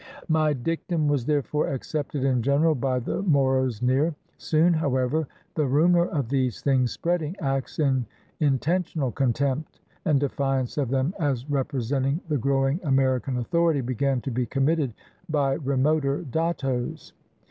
My dictum was therefore accepted in general by the Moros near. Soon, however, the rumor of these things spreading, acts in intentional contempt and defiance of them as representing the growing American authority began to be committed by remoter dattos.